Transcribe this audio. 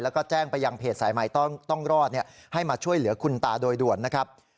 แล้วก็แจ้งไปยังเพจสายใหม่ต้องรอดให้มาช่วยเหลือคุณตาโดยด่วนนะครับ